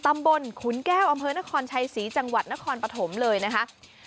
ขุนแก้วอำเภอนครชัยศรีจังหวัดนครปฐมเลยนะคะ